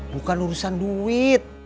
bukan urusan duit